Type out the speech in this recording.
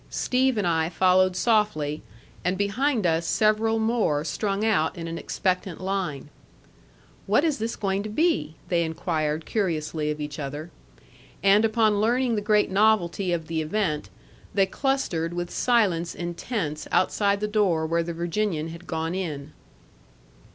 Steve and I followed softly, and behind us several more strung out in an expectant line. "What is this going to be?" they inquired curiously of each other. And upon learning the great novelty of the event, they clustered with silence intense outside the door where the Virginian had gone in.